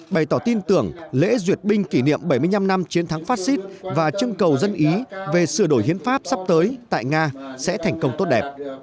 bày tỏ tin tưởng lễ duyệt binh kỷ niệm bảy mươi năm năm chiến thắng fascist và chương cầu dân ý về sửa đổi hiến pháp sắp tới tại nga sẽ thành công tốt đẹp